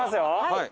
はい。